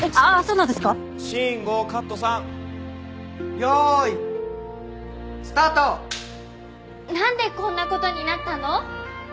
なんでこんな事になったの？